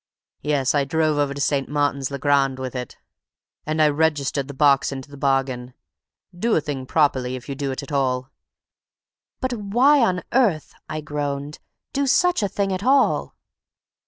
Yes, I drove over to St. Martin's le Grand with it, and I registered the box into the bargain. Do a thing properly if you do it at all." "But why on earth," I groaned, "do such a thing at all?"